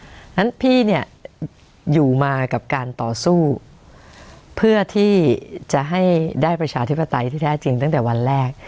เพราะฉะนั้นพี่เนี่ยอยู่มากับการต่อสู้เพื่อที่จะให้ได้ประชาธิปไตยที่แท้จริงตั้งแต่วันแรก